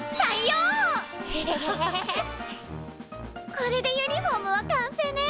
これでユニフォームは完成ね！